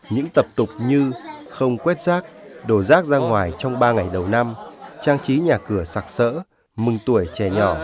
những tập tục như không quét rác đổ rác ra ngoài trong ba ngày đầu năm trang trí nhà cửa sạc sỡ mừng tuổi trẻ nhỏ